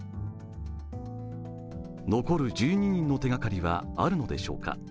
残る１２人の手がかりはあるのでしょうか。